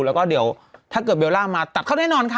แล้วก็เดี๋ยวถ้าเกิดเบลล่ามาตัดเข้าแน่นอนค่ะ